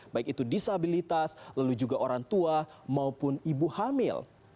baik itu disabilitas lalu juga orang tua maupun ibu hamil